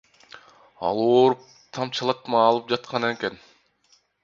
Ал ооруп, тамчылатма алып жаткан экен.